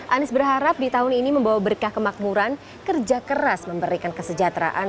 anies berharap di tahun ini membawa berkah kemakmuran kerja keras memberikan kesejahteraan